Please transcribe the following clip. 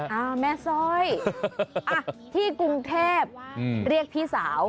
อ่าแม่สร้อยที่กรุงเทพเรียกพี่สาว